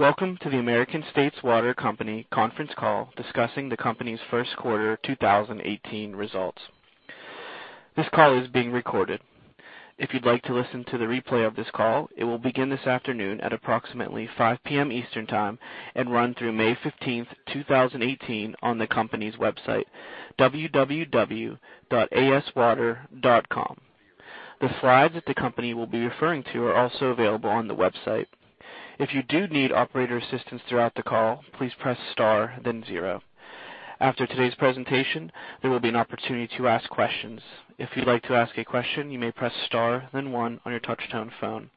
Welcome to the American States Water Company conference call discussing the company's first quarter 2018 results. This call is being recorded. If you'd like to listen to the replay of this call, it will begin this afternoon at approximately 5:00 P.M. Eastern Time and run through May 15th, 2018, on the company's website, www.aswater.com. The slides that the company will be referring to are also available on the website. If you do need operator assistance throughout the call, please press star then zero. After today's presentation, there will be an opportunity to ask questions. If you'd like to ask a question, you may press star then one on your touchtone phone.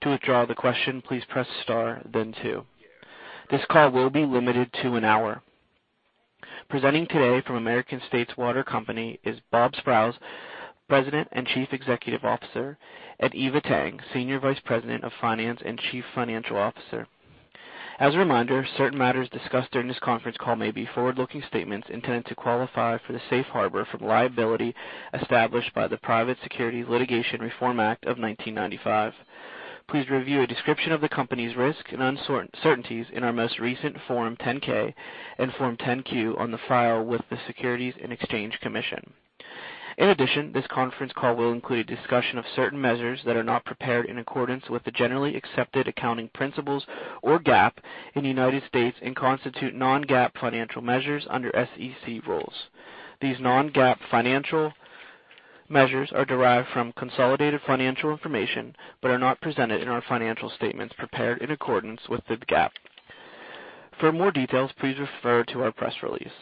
To withdraw the question, please press star then two. This call will be limited to an hour. Presenting today from American States Water Company is Bob Sprowls, President and Chief Executive Officer, and Eva Tang, Senior Vice President of Finance and Chief Financial Officer. As a reminder, certain matters discussed during this conference call may be forward-looking statements intended to qualify for the safe harbor from liability established by the Private Securities Litigation Reform Act of 1995. Please review a description of the company's risks and uncertainties in our most recent Form 10-K and Form 10-Q on the file with the Securities and Exchange Commission. In addition, this conference call will include a discussion of certain measures that are not prepared in accordance with the generally accepted accounting principles or GAAP in the United States and constitute non-GAAP financial measures under SEC rules. These non-GAAP financial measures are derived from consolidated financial information but are not presented in our financial statements prepared in accordance with the GAAP. For more details, please refer to our press release.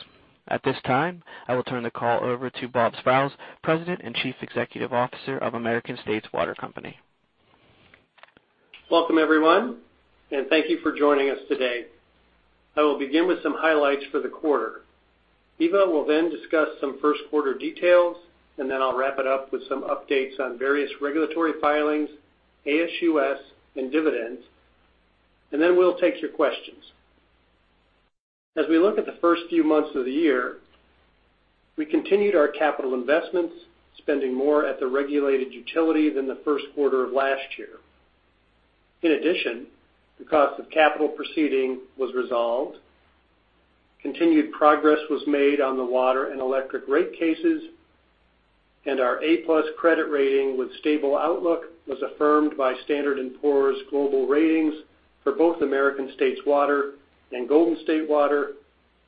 At this time, I will turn the call over to Bob Sprowls, President and Chief Executive Officer of American States Water Company. Welcome, everyone, thank you for joining us today. I will begin with some highlights for the quarter. Eva will then discuss some first-quarter details, and then I'll wrap it up with some updates on various regulatory filings, ASUS, and dividends, and then we'll take your questions. As we look at the first few months of the year, we continued our capital investments, spending more at the regulated utility than the first quarter of last year. In addition, the cost of capital proceeding was resolved, continued progress was made on the water and electric rate cases, and our A+ credit rating with stable outlook was affirmed by S&P Global Ratings for both American States Water and Golden State Water,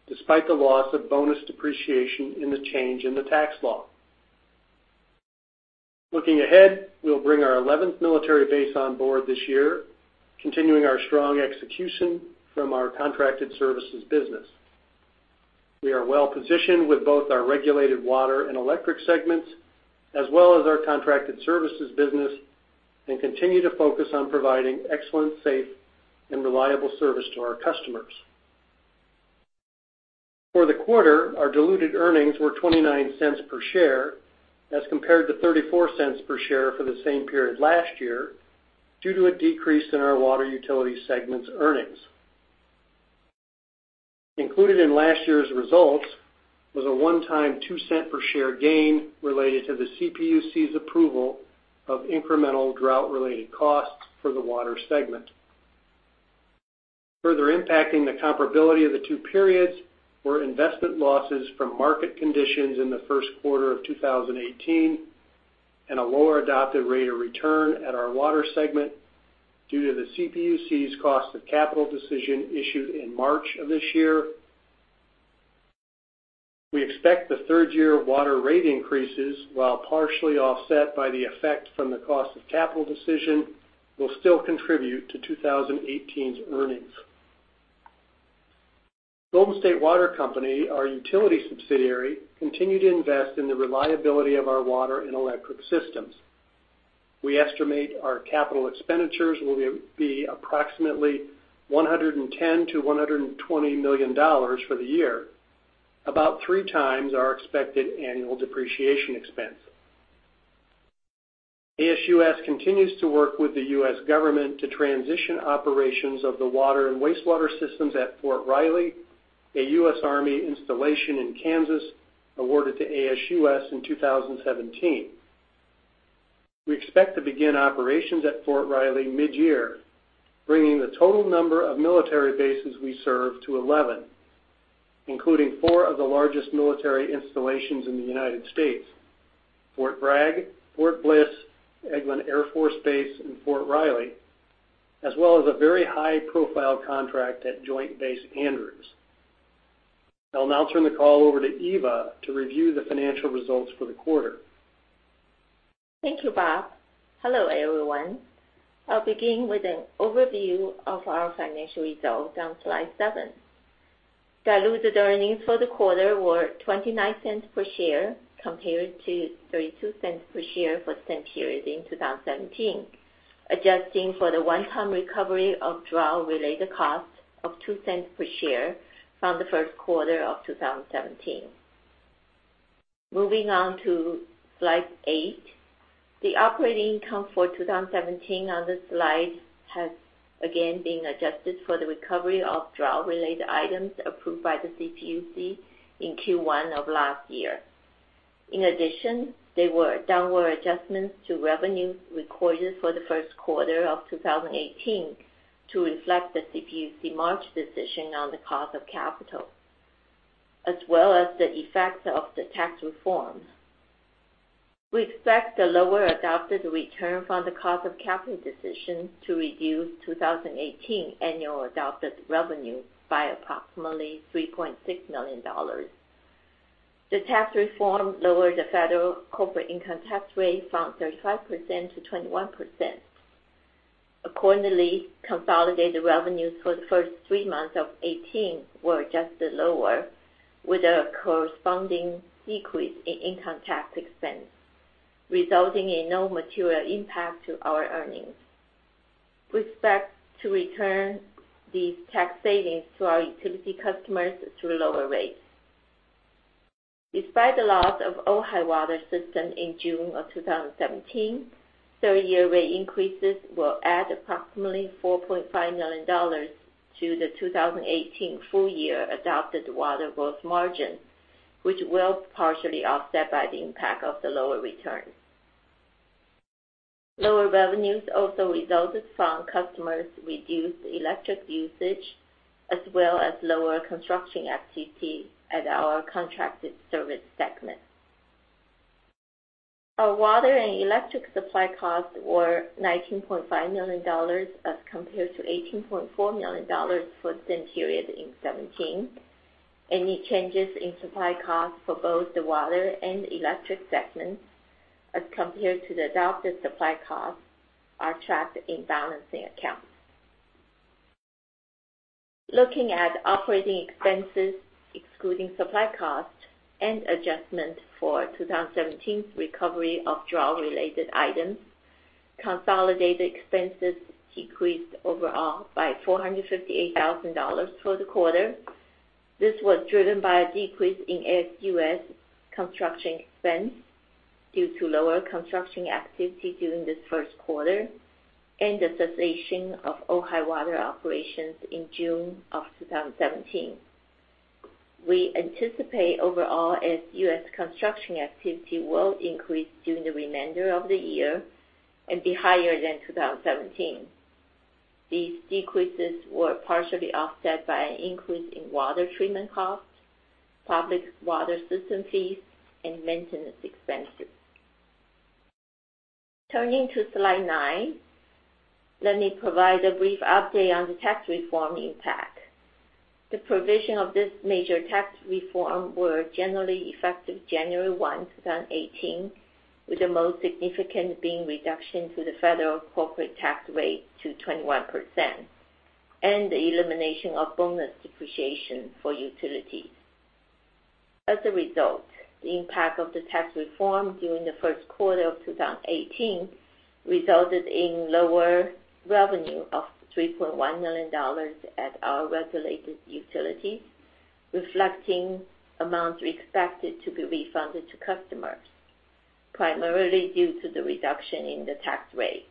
despite the loss of bonus depreciation in the change in the Tax Cuts and Jobs Act of 2017. Looking ahead, we'll bring our 11th military base on board this year, continuing our strong execution from our contracted services business. We are well-positioned with both our regulated water and electric segments, as well as our contracted services business, and continue to focus on providing excellent, safe, and reliable service to our customers. For the quarter, our diluted earnings were $0.29 per share as compared to $0.34 per share for the same period last year due to a decrease in our water utility segment's earnings. Included in last year's results was a one-time $0.02 per share gain related to the CPUC's approval of incremental drought-related costs for the water segment. Further impacting the comparability of the two periods were investment losses from market conditions in the first quarter of 2018 and a lower adopted rate of return at our water segment due to the CPUC's cost of capital decision issued in March of this year. We expect the third year of water rate increases, while partially offset by the effect from the cost of capital decision, will still contribute to 2018's earnings. Golden State Water Company, our utility subsidiary, continued to invest in the reliability of our water and electric systems. We estimate our capital expenditures will be approximately $110 million-$120 million for the year, about three times our expected annual depreciation expense. ASUS continues to work with the U.S. government to transition operations of the water and wastewater systems at Fort Riley, a U.S. Army installation in Kansas awarded to ASUS in 2017. We expect to begin operations at Fort Riley mid-year, bringing the total number of military bases we serve to 11, including four of the largest military installations in the U.S.: Fort Bragg, Fort Bliss, Eglin Air Force Base, and Fort Riley, as well as a very high-profile contract at Joint Base Andrews. I'll now turn the call over to Eva to review the financial results for the quarter. Thank you, Bob. Hello, everyone. I'll begin with an overview of our financial results on slide seven. Diluted earnings for the quarter were $0.29 per share compared to $0.32 per share for the same period in 2017. Adjusting for the one-time recovery of drought-related costs of $0.02 per share from the first quarter of 2017. Moving on to slide eight. The operating income for 2017 on this slide has again been adjusted for the recovery of drought-related items approved by the CPUC in Q1 of last year. In addition, there were downward adjustments to revenue recorded for the first quarter of 2018 to reflect the CPUC March decision on the cost of capital, as well as the effects of the tax reform. We expect the lower adopted return from the cost of capital decisions to reduce 2018 annual adopted revenue by approximately $3.6 million. The tax reform lowered the federal corporate income tax rate from 35% to 21%. Accordingly, consolidated revenues for the first three months of 2018 were adjusted lower, with a corresponding decrease in income tax expense, resulting in no material impact to our earnings. We expect to return these tax savings to our utility customers through lower rates. Despite the loss of Ojai Water System in June of 2017, third-year rate increases will add approximately $4.5 million to the 2018 full-year adopted water gross margin, which will be partially offset by the impact of the lower return. Lower revenues also resulted from customers' reduced electric usage, as well as lower construction activity at our contracted service segment. Our water and electric supply costs were $19.5 million as compared to $18.4 million for the same period in 2017. Any changes in supply costs for both the water and electric segments as compared to the adopted supply costs are tracked in balancing accounts. Looking at operating expenses, excluding supply costs and adjustment for 2017's recovery of drought-related items, consolidated expenses decreased overall by $458,000 for the quarter. This was driven by a decrease in ASUS construction expense due to lower construction activity during this first quarter and the cessation of Ojai Water operations in June of 2017. We anticipate overall ASUS construction activity will increase during the remainder of the year and be higher than 2017. These decreases were partially offset by an increase in water treatment costs, public water system fees, and maintenance expenses. Turning to slide nine, let me provide a brief update on the tax reform impact. The provision of this major tax reform were generally effective January 1, 2018, with the most significant being a reduction to the federal corporate tax rate to 21% and the elimination of bonus depreciation for utilities. As a result, the impact of the tax reform during the first quarter of 2018 resulted in lower revenue of $3.1 million at our regulated utility, reflecting amounts expected to be refunded to customers, primarily due to the reduction in the tax rate,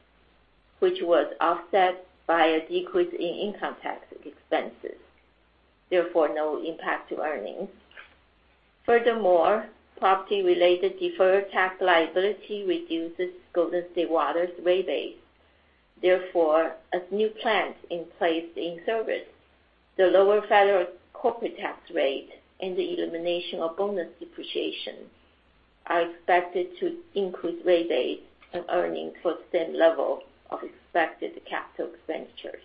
which was offset by a decrease in income tax expenses, therefore no impact to earnings. Furthermore, property-related deferred tax liability reduces Golden State Water's rate base. Therefore, as new plans in place in service, the lower federal corporate tax rate and the elimination of bonus depreciation are expected to increase rate base and earnings for the same level of expected capital expenditures.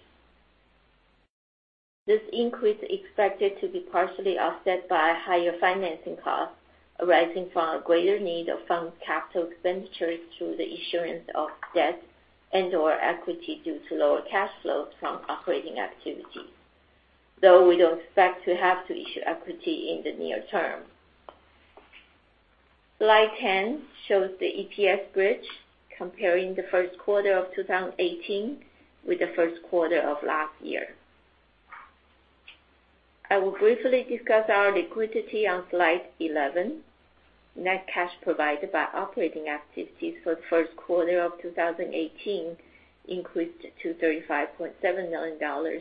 This increase is expected to be partially offset by higher financing costs arising from a greater need of funded capital expenditures through the issuance of debt and/or equity due to lower cash flows from operating activities. Though we don't expect to have to issue equity in the near term. Slide 10 shows the EPS bridge comparing the first quarter of 2018 with the first quarter of last year. I will briefly discuss our liquidity on slide 11. Net cash provided by operating activities for the first quarter of 2018 increased to $35.7 million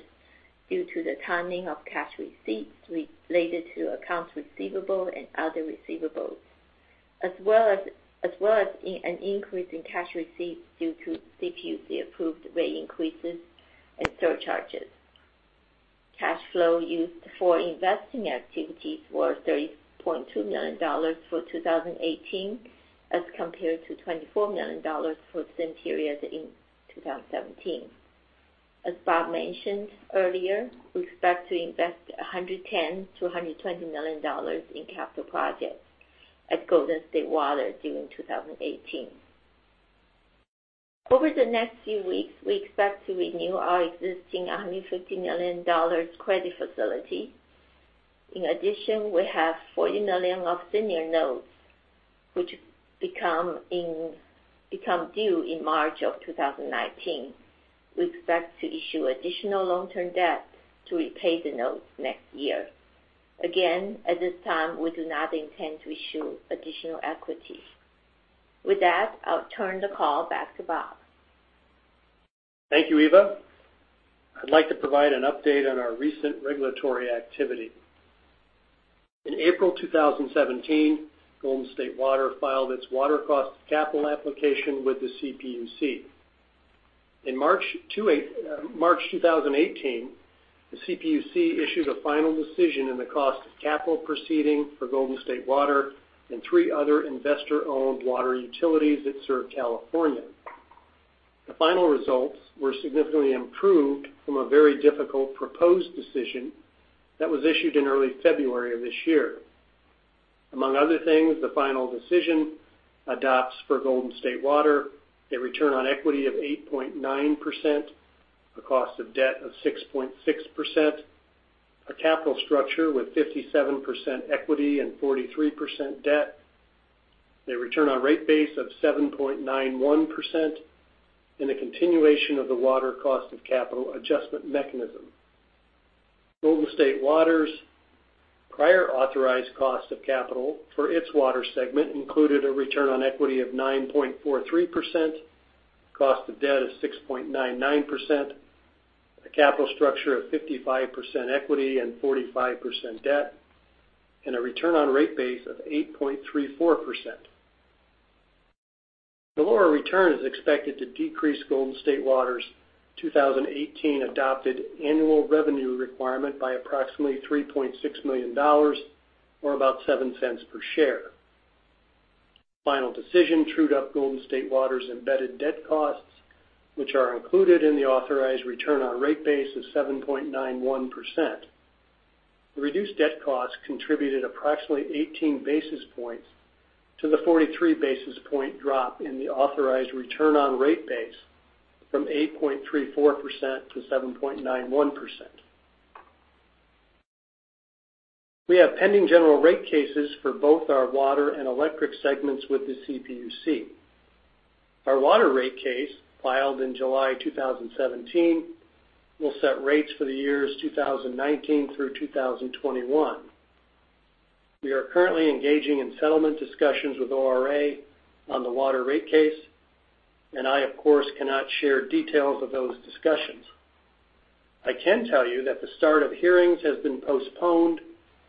due to the timing of cash receipts related to accounts receivable and other receivables, as well as an increase in cash receipts due to CPUC-approved rate increases and surcharges. Cash flow used for investing activities was $30.2 million for 2018 as compared to $24 million for the same period in 2017. As Bob mentioned earlier, we expect to invest $110 million-$120 million in capital projects at Golden State Water during 2018. Over the next few weeks, we expect to renew our existing $150 million credit facility. In addition, we have $40 million of senior notes, which become due in March of 2019. We expect to issue additional long-term debt to repay the notes next year. At this time, we do not intend to issue additional equity. I'll turn the call back to Bob. Thank you, Eva. I'd like to provide an update on our recent regulatory activity. In April 2017, Golden State Water filed its water cost of capital application with the CPUC. In March 2018, the CPUC issued a final decision in the cost of capital proceeding for Golden State Water and three other investor-owned water utilities that serve California. The final results were significantly improved from a very difficult proposed decision that was issued in early February of this year. Among other things, the final decision adopts for Golden State Water a return on equity of 8.9%, a cost of debt of 6.6%, a capital structure with 57% equity and 43% debt, a return on rate base of 7.91%, and a continuation of the water cost of capital adjustment mechanism. Golden State Water's prior authorized cost of capital for its water segment included a return on equity of 9.43%, cost of debt of 6.99%, a capital structure of 55% equity and 45% debt, and a return on rate base of 8.34%. The lower return is expected to decrease Golden State Water's 2018 adopted annual revenue requirement by approximately $3.6 million, or about $0.07 per share. The final decision trued up Golden State Water's embedded debt costs, which are included in the authorized return on rate base of 7.91%. The reduced debt cost contributed approximately 18 basis points to the 43 basis point drop in the authorized return on rate base from 8.34%-7.91%. We have pending general rate cases for both our water and electric segments with the CPUC. Our water rate case, filed in July 2017, will set rates for the years 2019 through 2021. We are currently engaging in settlement discussions with ORA on the water rate case. I, of course, cannot share details of those discussions. I can tell you that the start of hearings has been postponed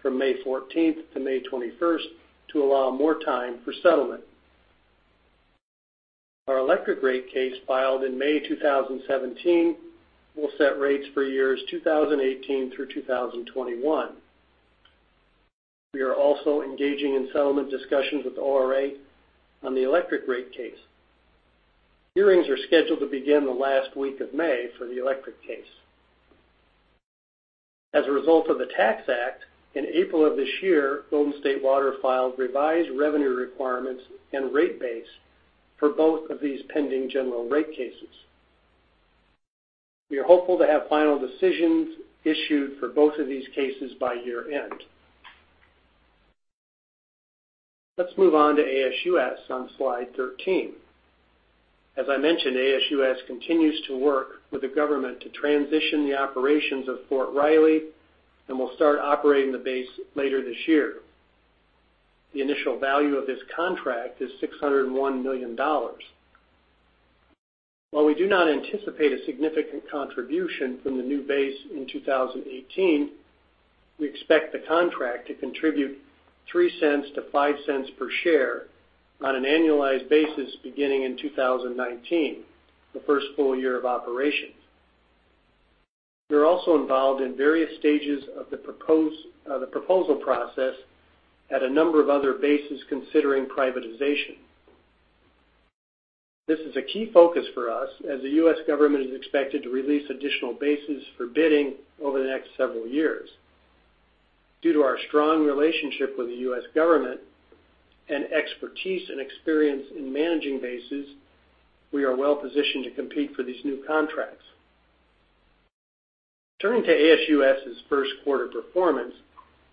from May 14th to May 21st to allow more time for settlement. Our electric rate case, filed in May 2017, will set rates for years 2018 through 2021. We are also engaging in settlement discussions with ORA on the electric rate case. Hearings are scheduled to begin the last week of May for the electric case. As a result of the Tax Act, in April of this year, Golden State Water filed revised revenue requirements and rate base for both of these pending general rate cases. We are hopeful to have final decisions issued for both of these cases by year-end. Let's move on to ASUS on slide 13. As I mentioned, ASUS continues to work with the government to transition the operations of Fort Riley and will start operating the base later this year. The initial value of this contract is $601 million. While we do not anticipate a significant contribution from the new base in 2018, we expect the contract to contribute $0.03-$0.05 per share on an annualized basis beginning in 2019, the first full year of operations. We are also involved in various stages of the proposal process at a number of other bases considering privatization. This is a key focus for us, as the U.S. government is expected to release additional bases for bidding over the next several years. Due to our strong relationship with the U.S. government and expertise and experience in managing bases, we are well positioned to compete for these new contracts. Turning to ASUS's first quarter performance,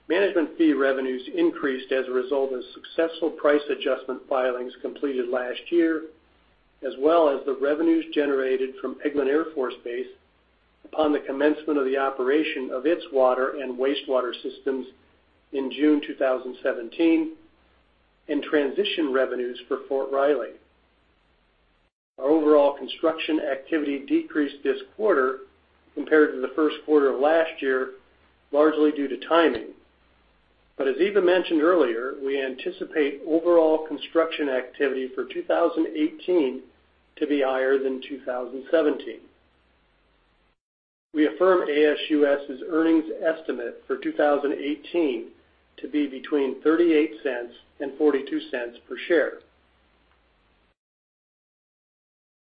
management fee revenues increased as a result of successful price adjustment filings completed last year, as well as the revenues generated from Eglin Air Force Base upon the commencement of the operation of its water and wastewater systems in June 2017, and transition revenues for Fort Riley. Our overall construction activity decreased this quarter compared to the first quarter of last year, largely due to timing. As Eva mentioned earlier, we anticipate overall construction activity for 2018 to be higher than 2017. We affirm ASUS's earnings estimate for 2018 to be between $0.38 and $0.42 per share.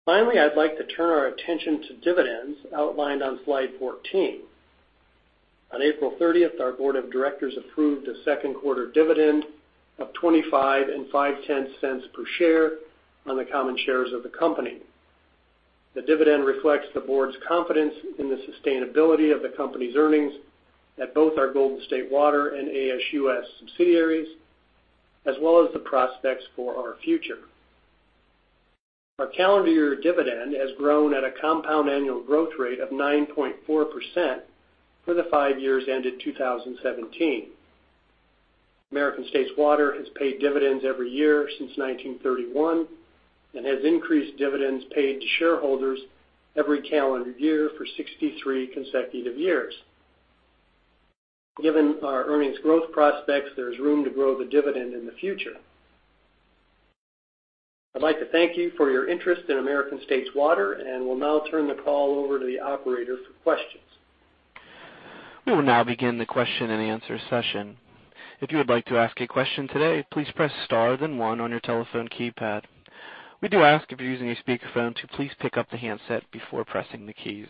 Finally, I'd like to turn our attention to dividends outlined on slide 14. On April 30th, our board of directors approved a second quarter dividend of $0.255 per share on the common shares of the company. The dividend reflects the board's confidence in the sustainability of the company's earnings at both our Golden State Water and ASUS subsidiaries, as well as the prospects for our future. Our calendar year dividend has grown at a compound annual growth rate of 9.4% for the five years ended 2017. American States Water has paid dividends every year since 1931 and has increased dividends paid to shareholders every calendar year for 63 consecutive years. Given our earnings growth prospects, there's room to grow the dividend in the future. I'd like to thank you for your interest in American States Water, will now turn the call over to the operator for questions. We will now begin the question and answer session. If you would like to ask a question today, please press star then one on your telephone keypad. We do ask if you're using a speakerphone to please pick up the handset before pressing the keys.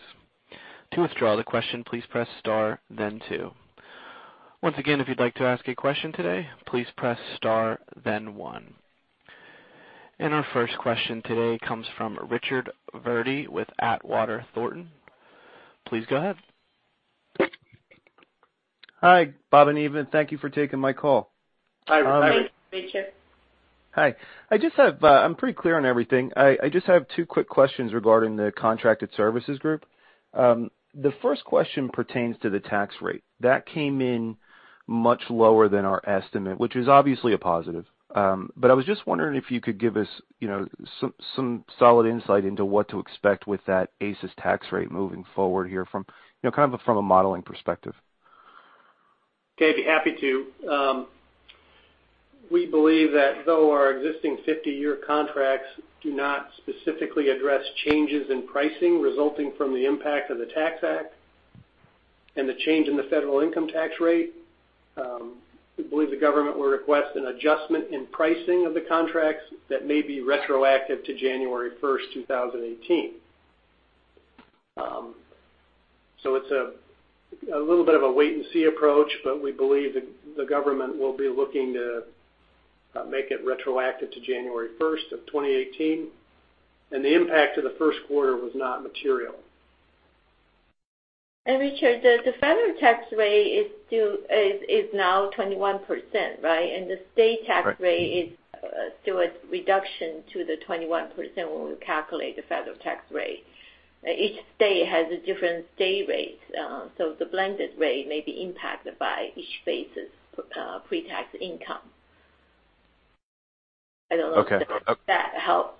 To withdraw the question, please press star then two. Once again, if you'd like to ask a question today, please press star then one. Our first question today comes from Richard Verdi with Ladenburg Thalmann. Please go ahead. Hi, Bob and Eva. Thank you for taking my call. Hi, Richard. Hi, Richard. Hi. I'm pretty clear on everything. I just have two quick questions regarding the contracted services group. The first question pertains to the tax rate. That came in much lower than our estimate, which is obviously a positive. I was just wondering if you could give us some solid insight into what to expect with that ASUS tax rate moving forward here from a modeling perspective. I'd be happy to. We believe that though our existing 50-year contracts do not specifically address changes in pricing resulting from the impact of the Tax Act and the change in the federal income tax rate, we believe the government will request an adjustment in pricing of the contracts that may be retroactive to January 1, 2018. It's a little bit of a wait-and-see approach, but we believe the government will be looking to make it retroactive to January 1, 2018, and the impact to the first quarter was not material. Richard, the federal tax rate is now 21%, right? Right. The state tax rate is still a reduction to the 21% when we calculate the federal tax rate. Each state has a different state rate, the blended rate may be impacted by each base's pre-tax income. Okay. I don't know if that helps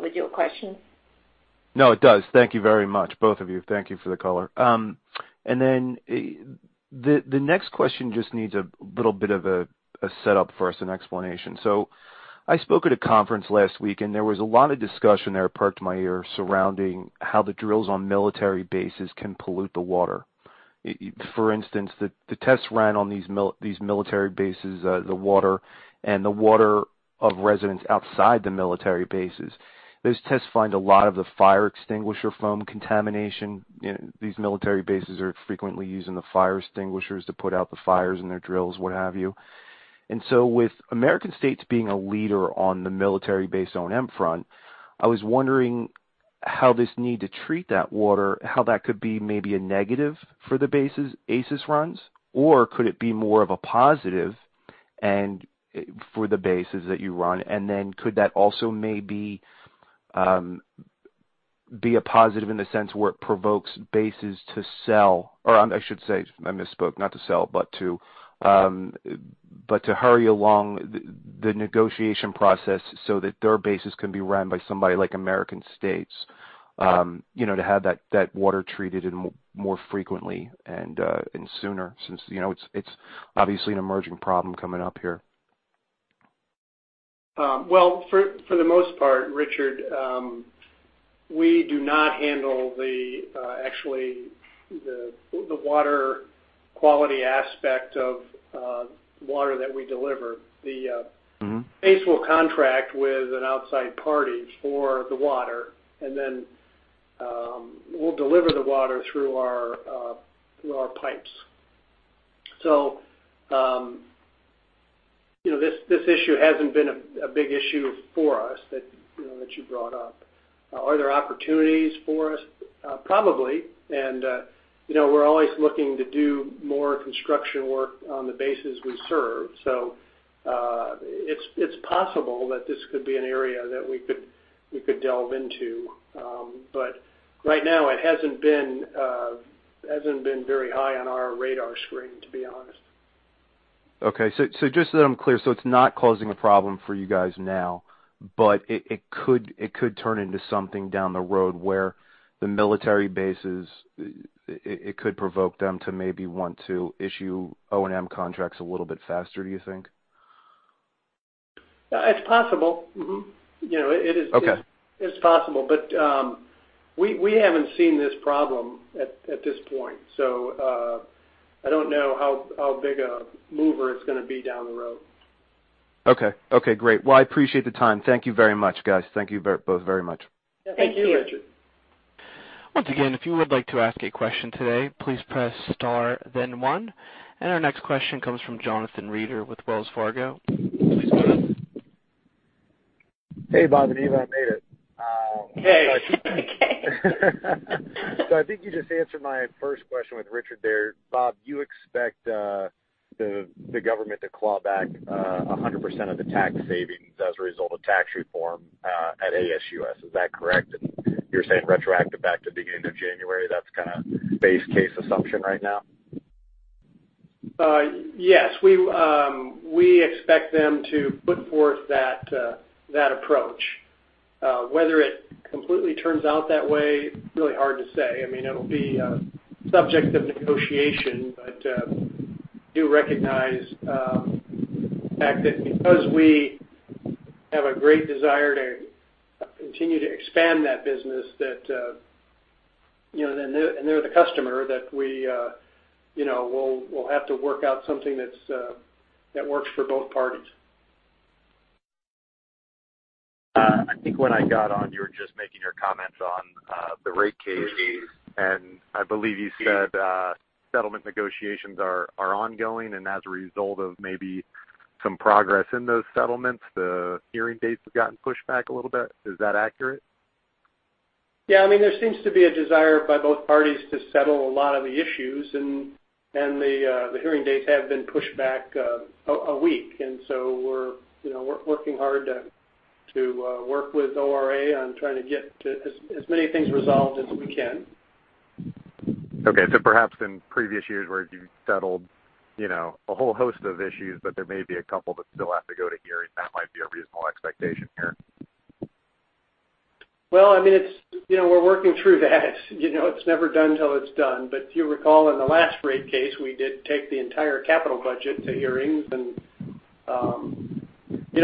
with your question. No, it does. Thank you very much, both of you. Thank you for the color. The next question just needs a little bit of a setup for us, an explanation. I spoke at a conference last week, and there was a lot of discussion there that perked my ear surrounding how the drills on military bases can pollute the water. For instance, the tests ran on these military bases, the water, and the water of residents outside the military bases. Those tests find a lot of the fire extinguisher foam contamination. These military bases are frequently using the fire extinguishers to put out the fires in their drills, what have you. With American States being a leader on the military base O&M front, I was wondering how this need to treat that water, how that could be maybe a negative for the bases' ASUS runs, or could it be more of a positive and for the bases that you run, and then could that also maybe be a positive in the sense where it provokes bases to sell, or I should say, I misspoke, not to sell, but to hurry along the negotiation process so that their bases can be ran by somebody like American States, to have that water treated more frequently and sooner since it's obviously an emerging problem coming up here. For the most part, Richard, we do not handle the water quality aspect of water that we deliver. The base will contract with an outside party for the water, and then we'll deliver the water through our pipes. This issue hasn't been a big issue for us that you brought up. Are there opportunities for us? Probably. We're always looking to do more construction work on the bases we serve. It's possible that this could be an area that we could delve into. Right now, it hasn't been very high on our radar screen, to be honest. Okay. Just so that I'm clear, so it's not causing a problem for you guys now, but it could turn into something down the road where the military bases, it could provoke them to maybe want to issue O&M contracts a little bit faster, do you think? It's possible. Okay. It's possible, but we haven't seen this problem at this point, so I don't know how big a mover it's going to be down the road. Okay. Great. Well, I appreciate the time. Thank you very much, guys. Thank you both very much. Thank you. Thank you, Richard. Once again, if you would like to ask a question today, please press star then one. Our next question comes from Jonathan Reeder with Wells Fargo. Please go ahead. Hey, Bob and Eva. I made it. Hey. Hey. I think you just answered my first question with Richard there. Bob, you expect the government to claw back 100% of the tax savings as a result of tax reform at ASUS, is that correct? You're saying retroactive back to beginning of January, that's kind of base case assumption right now? Yes. We expect them to put forth that approach. Whether it completely turns out that way, really hard to say. It'll be a subject of negotiation, but do recognize the fact that because we have a great desire to continue to expand that business, and they're the customer, that we'll have to work out something that works for both parties. I think when I got on, you were just making your comments on the rate case. I believe you said settlement negotiations are ongoing, as a result of maybe some progress in those settlements, the hearing dates have gotten pushed back a little bit. Is that accurate? There seems to be a desire by both parties to settle a lot of the issues, the hearing dates have been pushed back a week. We're working hard to work with ORA on trying to get to as many things resolved as we can. Perhaps in previous years where you settled a whole host of issues, but there may be a couple that still have to go to hearing, that might be a reasonable expectation here. Well, we're working through that. It's never done till it's done. If you recall in the last rate case, we did take the entire capital budget to hearings,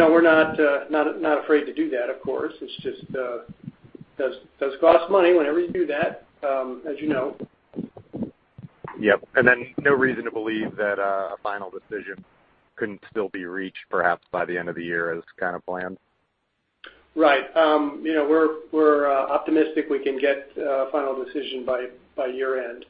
and we're not afraid to do that, of course. It just does cost money whenever you do that, as you know. Yep. No reason to believe that a final decision couldn't still be reached, perhaps by the end of the year as kind of planned? Right. We're optimistic we can get a final decision by year-end.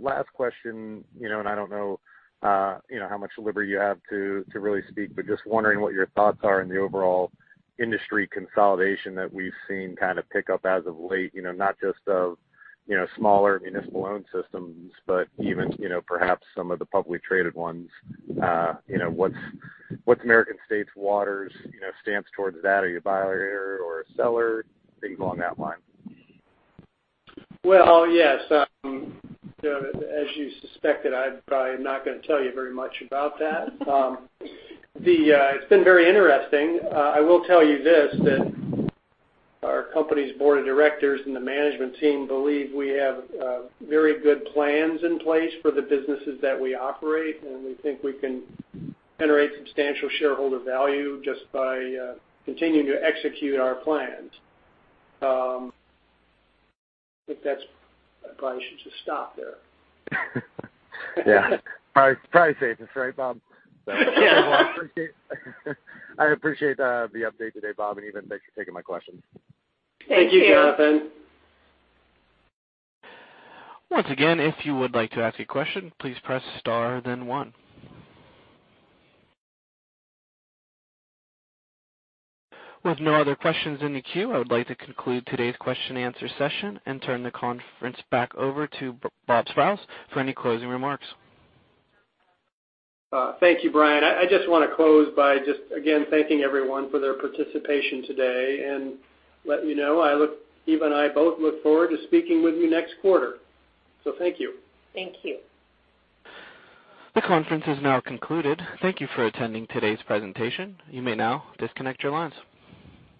Last question, I don't know how much liberty you have to really speak, but just wondering what your thoughts are in the overall industry consolidation that we've seen kind of pick up as of late, not just of smaller municipal-owned systems, but even perhaps some of the publicly traded ones. What's American States Water's stance towards that? Are you a buyer or a seller? Things along that line. Well, yes. As you suspected, I probably am not going to tell you very much about that. It's been very interesting. I will tell you this, that our company's board of directors and the management team believe we have very good plans in place for the businesses that we operate, we think we can generate substantial shareholder value just by continuing to execute our plans. I think I probably should just stop there. Yeah. Probably safest, right, Bob? Yeah. I appreciate the update today, Bob, Eva, thanks for taking my questions. Thank you. Thank you, Jonathan. Once again, if you would like to ask a question, please press star then one. With no other questions in the queue, I would like to conclude today's question and answer session and turn the conference back over to Bob Sprowls for any closing remarks. Thank you, Brian. I just want to close by just, again, thanking everyone for their participation today and let you know, Eva and I both look forward to speaking with you next quarter. Thank you. Thank you. The conference is now concluded. Thank you for attending today's presentation. You may now disconnect your lines.